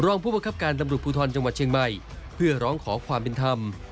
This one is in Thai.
รองผู้ประคับการตำรวจภูทรจังหวัดเชียงใหม่เพื่อร้องขอความเป็นธรรม